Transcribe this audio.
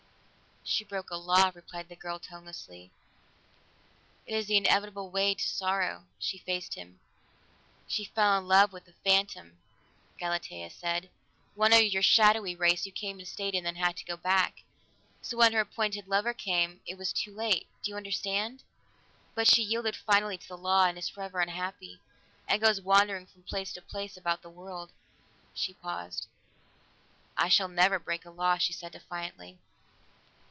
"She broke a law," replied the girl tonelessly. "It is the inevitable way to sorrow." She faced him. "She fell in love with a phantom!" Galatea said. "One of your shadowy race, who came and stayed and then had to go back. So when her appointed lover came, it was too late; do you understand? But she yielded finally to the law, and is forever unhappy, and goes wandering from place to place about the world." She paused. "I shall never break a law," she said defiantly.